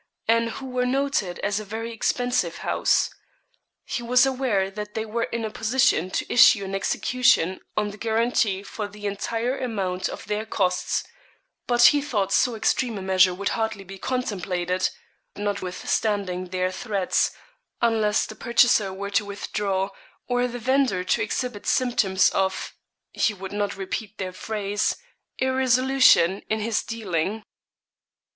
and who were noted as a very expensive house. He was aware that they were in a position to issue an execution on the guarantee for the entire amount of their costs; but he thought so extreme a measure would hardly be contemplated, notwithstanding their threats, unless the purchaser were to withdraw or the vendor to exhibit symptoms of he would not repeat their phrase irresolution in his dealing.